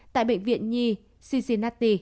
tại bệnh viện nhi cincinnati